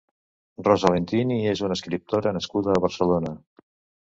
Rosa Lentini és una escriptora nascuda a Barcelona.